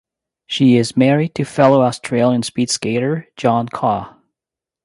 She is married to fellow Australian speed skater John Kah.